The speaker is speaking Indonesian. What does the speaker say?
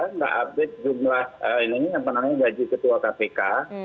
tidak update jumlah gaji ketua kpk